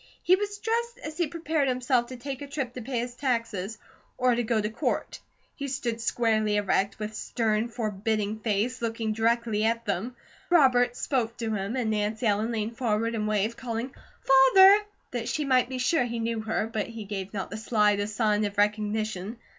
He was dressed as he prepared himself to take a trip to pay his taxes, or to go to Court. He stood squarely erect, with stern, forbidding face, looking directly at them. Robert spoke to him, and Nancy Ellen leaned forward and waved, calling "Father," that she might be sure he knew her, but he gave not the slightest sign of recognition.